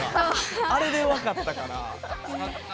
あれで分かったから。